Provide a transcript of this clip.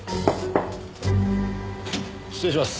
失礼します。